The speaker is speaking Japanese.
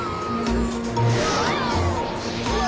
うわ！